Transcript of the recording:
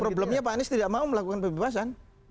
problemnya pak anies tidak mau melakukan pembebasan